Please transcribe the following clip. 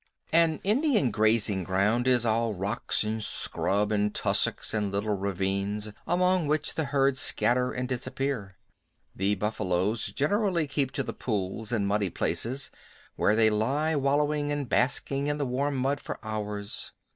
An Indian grazing ground is all rocks and scrub and tussocks and little ravines, among which the herds scatter and disappear. The buffaloes generally keep to the pools and muddy places, where they lie wallowing or basking in the warm mud for hours.